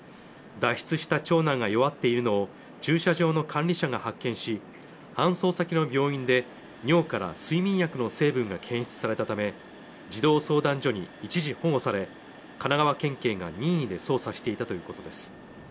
脱出した長男が弱っているのを駐車場の管理者が発見し搬送先の病院で尿から睡眠薬の成分が検出されたため児童相談所に一時保護され神奈川県警が任意で捜査していたということです